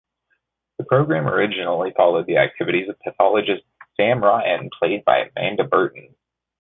The programme originally followed the activities of pathologist Sam Ryan, played by Amanda Burton.